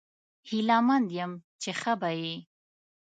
هیله مند یم چې ښه به یې